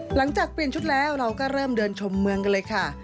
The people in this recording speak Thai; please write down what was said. หลังจากเปลี่ยนชุดแล้วเราก็เริ่มเดินชมเมืองกันเลยค่ะ